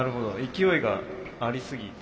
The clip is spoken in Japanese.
勢いがありすぎて。